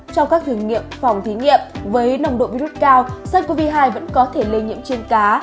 trong các thử nghiệm phòng thí nghiệm với nồng độ virus cao sars cov hai vẫn có thể lây nhiễm trên cá